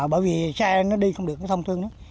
bởi vì xe nó đi không được nó thông thương đó